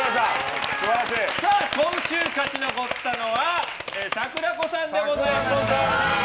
今週勝ち残ったのはさくらこさんでございました。